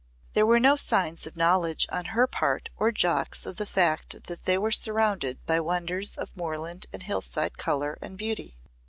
There were no signs of knowledge on her part or Jock's of the fact that they were surrounded by wonders of moorland and hillside colour and beauty.